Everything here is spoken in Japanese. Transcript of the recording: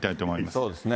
そうですね。